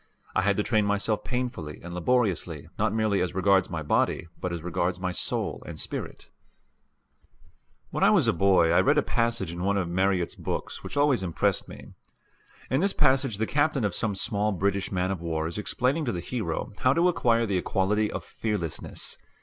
I had to train myself painfully and laboriously not merely as regards my body but as regards my soul and spirit. When a boy I read a passage in one of Marryat's books which always impressed me. In this passage the captain of some small British man of war is explaining to the hero how to acquire the quality of fearlessness.